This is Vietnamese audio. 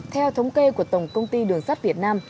theo thống kê của tổng công ty đường sắt việt nam